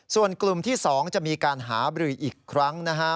ส่วนกลุ่มที่๒จะมีการหาบรืออีกครั้งนะฮะ